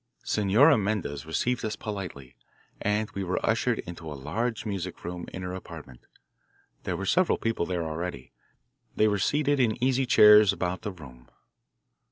Senora Mendez received us politely, and we were ushered into a large music room in her apartment. There were several people there already. They were seated in easy chairs about the room.